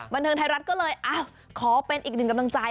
บันเทิงไทยรัฐก็เลยขอเป็นอีกหนึ่งกำลังใจ